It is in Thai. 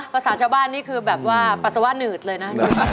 ภาษาชาวบ้านนี่คือแบบว่าปัสสาวะหนืดเลยนะ